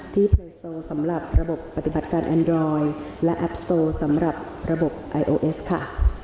เทโซสำหรับระบบปฏิบัติการแอนดรอยและแอปสโตสำหรับระบบไอโอเอสค่ะ